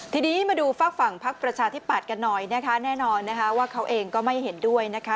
ทีนี้มาดูฝากฝั่งพักประชาธิปัตย์กันหน่อยนะคะแน่นอนนะคะว่าเขาเองก็ไม่เห็นด้วยนะคะ